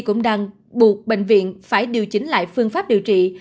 cũng đang buộc bệnh viện phải điều chỉnh lại phương pháp điều trị